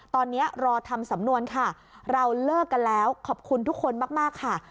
ตอนนี้รอทำสำนวนค่ะเราเลิกกันแล้วขอบคุณทุกคนมากค่ะ